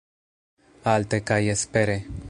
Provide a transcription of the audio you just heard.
Alte kaj espere